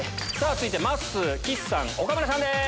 続いてまっすー岸さん岡村さんです。